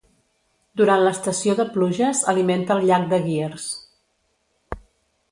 Durant l'estació de pluges alimenta el llac de Guiers.